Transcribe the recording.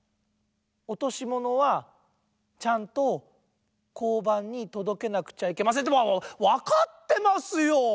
「おとしものはちゃんとこうばんにとどけなくちゃいけません」ってわかってますよ！